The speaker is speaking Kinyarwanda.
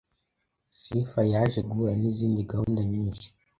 Sifa yaje guhura n’izindi gahunda nyinshi